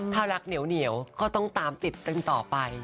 ถ้ารักเหนียวก็ต้องตามติดตึงต่อไป